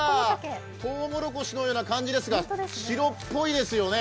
とうもろこしのような感じですが白っぽいですよね。